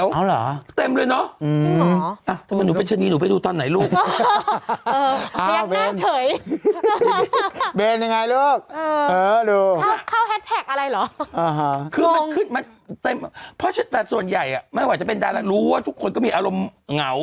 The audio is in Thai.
เพราะฉะนั้นแต่ส่วนใหญ่ไม่ว่าจะเป็นดารารู้ว่าทุกคนก็มีอารมณ์เหงา